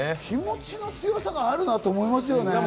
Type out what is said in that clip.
気持ちの強さがあるなと思いますよね。